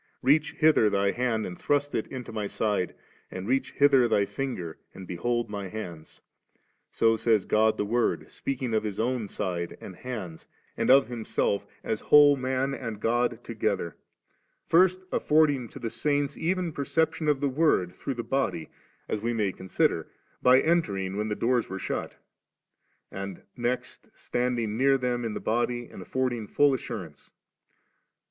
* Reach hither thy hand and thrust it into My side, and reach hither thy finger and behold My hands 7;' so says God the Word, speaking of His own' side and hands, and of Himsdf as whole man and God to 4j«luiz.ao;:dT.9. • lb. xnr. 41, ^ i CC iiL 13^ a. 5. gether, first tfording to the Saints even per ception of the Word through the body 9, as we may consider, by entering when the doors were shut ; and next standing near them in the body and affording full assurance.